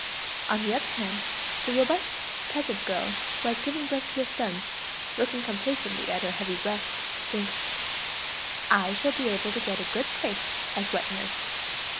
On the other hand, the robust peasant girl who has given birth to a son, looking complacently at her heavy breasts, thinks: "I shall be able to get a good place as wet nurse."